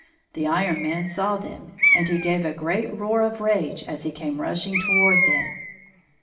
The Iron Man saw them, and he gave a great roar of rage as he came rushing toward them.